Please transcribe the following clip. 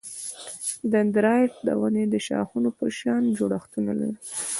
دندرایت د ونې د شاخونو په شان جوړښتونه دي.